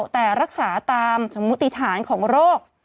แต่รักษาตามสมมุติฐานของโรค